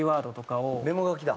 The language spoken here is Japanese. メモ書きだ。